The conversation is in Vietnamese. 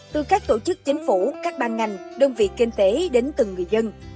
từ các tổ chức chính phủ các ban ngành đơn vị kinh tế đến từng người dân